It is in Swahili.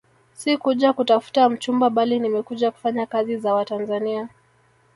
Sikuja kutafuta mchumba bali nimekuja kufanya kazi za Watanzania